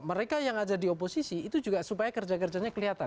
mereka yang ada di oposisi itu juga supaya kerja kerjanya kelihatan